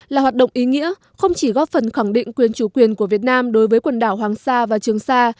là hoạt động ý nghĩa không chỉ góp phần khẳng định quyền chủ quyền của việt nam đối với quần đảo hoàng sa và trường sa